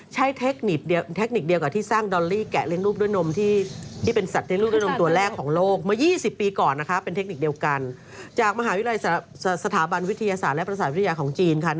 ใช้เทคนิคเดียวกับที่สร้าง